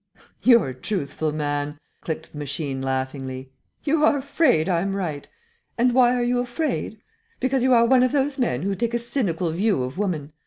"You're a truthful man," clicked the machine, laughingly. "You are afraid I'm right. And why are you afraid? Because you are one of those men who take a cynical view of woman.